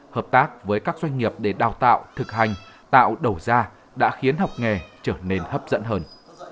hợp tác với các doanh nghiệp để đào tạo thực hành tạo đầu ra đã khiến học nghề trở nên hấp dẫn hơn